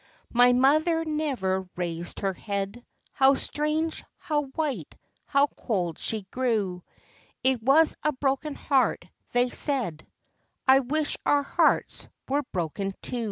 My mother never raised her head ŌĆö How strange, how white, how cold she grew It was a broken heart, they said ŌĆö I wish our hearts were broken too.